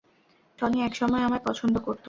Tony একসময় আমায় পছন্দ করতো।